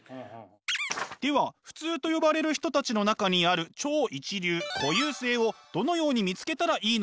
では普通と呼ばれる人たちの中にある「超一流」「固有性」をどのように見つけたらいいのか？